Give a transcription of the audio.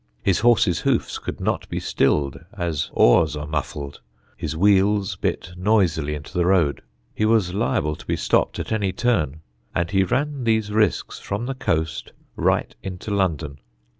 His horse's hoofs could not be stilled as oars are muffled, his wheels bit noisily into the road, he was liable to be stopped at any turn. And he ran these risks from the coast right into London.